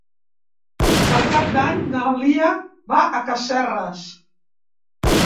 Per Cap d'Any na Lia va a Casserres.